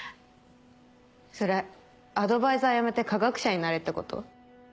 それアドバイザーやめて科学者になれってこと？